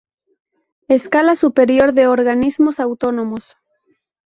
Escala Superior de Organismos Autónomos.